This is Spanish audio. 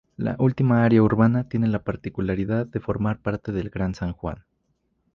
La última área urbana tiene la particularidad de formar parte del Gran San Juan.